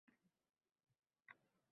Ishni bitirgunimcha qosh qoraydi